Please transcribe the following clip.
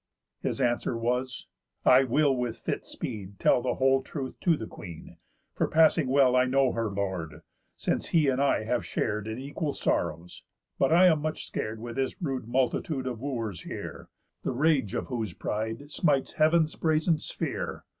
His answer was: "I will with fit speed tell The whole truth to the Queen; for passing well I know her lord, since he and I have shar'd In equal sorrows. But I much am scar'd With this rude multitude of Wooers here, The rage of whose pride smites heav'n's brazen sphere.